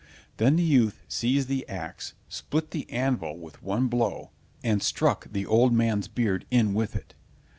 Then the youth seized the ax, split the anvil with one blow, and struck the old man's beard in with it.